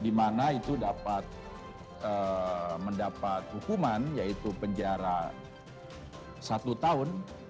dimana itu dapat mendapat hukuman yaitu penjara satu tahun